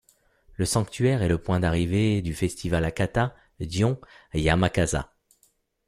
Le sanctuaire est le point d'arrivée du festival Hakata Gion Yamakasa.